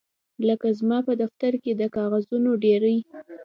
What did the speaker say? لکه زما په دفتر کې د کاغذونو ډیرۍ